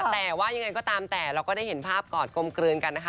แต่ว่ายังไงก็ตามแต่เราก็ได้เห็นภาพกอดกลมกลืนกันนะคะ